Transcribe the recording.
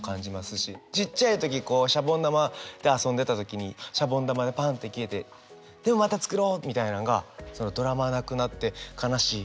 ちっちゃい時しゃぼん玉で遊んでた時にしゃぼん玉がパンッて消えてでまた作ろうみたいなんがドラマなくなって悲しい。